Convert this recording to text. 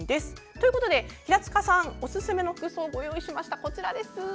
ということで平塚さんおすすめの服装をご用意しました。